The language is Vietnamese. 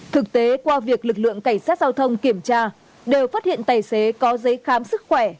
thực tế qua việc lực lượng cảnh sát giao thông kiểm tra đều phát hiện tài xế có giấy khám sức khỏe